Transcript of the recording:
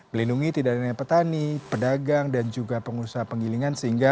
melindungi tidak hanya petani pedagang dan juga pengusaha penggilingan sehingga